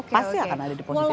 pasti akan ada di posisi yang